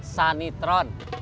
tidak ada nitron